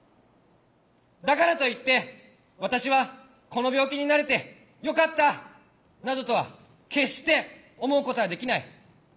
だからといって私はこの病気になれてよかったなどとは決して思うことはできない。